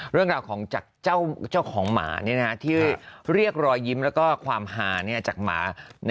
เรื่องราวของจากเจ้าของหมาที่เรียกรอยยิ้มแล้วก็ความหาจากหมา